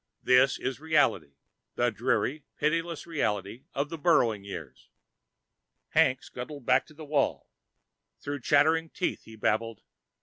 This is reality, the dreary, pitiless reality of the Burrowing Years." Hank scuttled back to the wall. Through chattering teeth he babbled